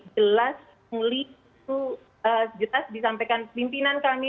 jelas penguli itu disampaikan pimpinan kami